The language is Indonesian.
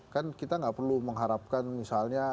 kan kita nggak perlu mengharapkan misalnya